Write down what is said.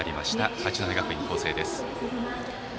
八戸学院光星です。